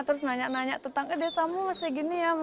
terus nanya nanya tentang eh desamu masih gini ya